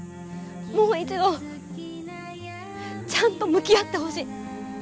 もう一度ちゃんと向き合ってほしい。